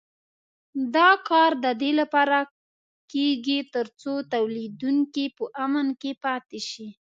دا کار د دې لپاره کېږي تر څو تولیدوونکي په امن کې پاتې شي.